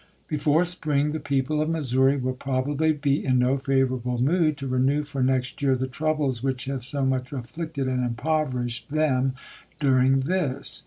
Before spring the people of Missouri will probably be in no favorable mood to renew for next year the troubles which have so much afflicted and impoverished them dui ing this.